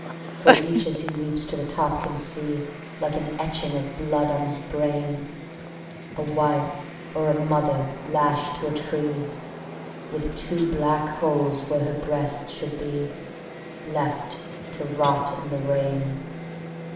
For each as he leaps to the top can see, Like an etching of blood on his brain, A wife or a mother lashed to a tree, With two black holes where her breasts should be, Left to rot in the rain.